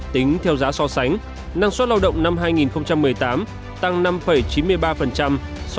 tính theo giá so sánh năng suất lao động năm hai nghìn một mươi tám tăng năm chín mươi ba so với năm hai nghìn một mươi bảy